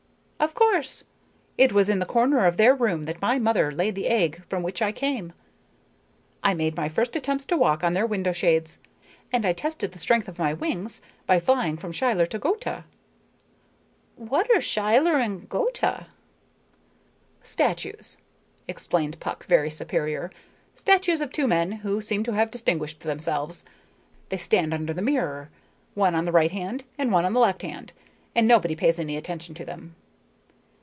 "Of course. It was in the corner of their room that my mother laid the egg from which I came. I made my first attempts to walk on their window shades, and I tested the strength of my wings by flying from Schiller to Goethe." "What are Schiller and Goethe?" "Statues," explained Puck, very superior, "statues of two men who seem to have distinguished themselves. They stand under the mirror, one on the right hand and one on the left hand, and nobody pays any attention to them."